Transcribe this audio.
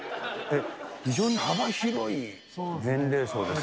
非常に幅広い年齢層ですかね。